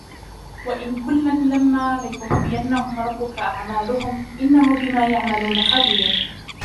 وإن كلا لما ليوفينهم ربك أعمالهم إنه بما يعملون خبير